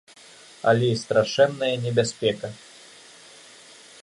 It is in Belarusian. Але і страшэнная небяспека.